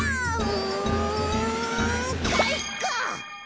うんかいか！